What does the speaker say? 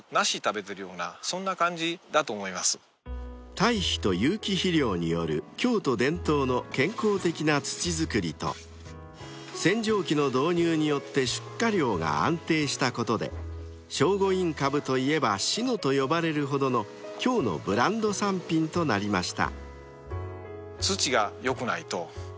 ［堆肥と有機肥料による京都伝統の健康的な土作りと洗浄機の導入によって出荷量が安定したことで聖護院かぶといえば篠と呼ばれるほどの京のブランド産品となりました］